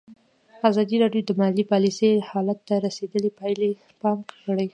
ازادي راډیو د مالي پالیسي حالت ته رسېدلي پام کړی.